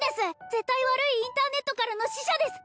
絶対悪いインターネットからの使者です